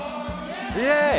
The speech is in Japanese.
イエーイ！